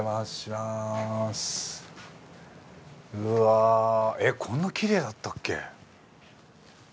えっこんなきれいだったっけ？